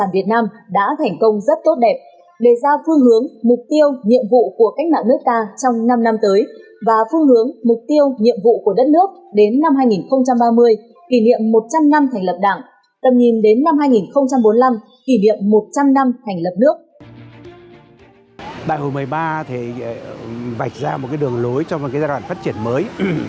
vạch ra một đường lối cho giai đoạn phát triển mới